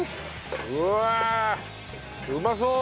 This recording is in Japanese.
うわあうまそう！